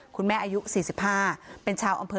อายุ๔๕เป็นชาวอำเภอ